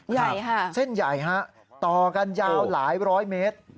ใหญ่ค่ะเส้นใหญ่ฮะต่อกันยาวหลายร้อยเมตร